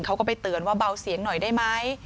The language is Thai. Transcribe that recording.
เขาก็ไปเตือนว่าเบาเสียงหน่อยได้ไหม